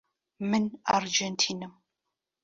من ئەرجێنتینم.